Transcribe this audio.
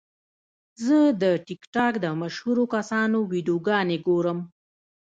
زه د ټک ټاک د مشهورو کسانو ویډیوګانې ګورم.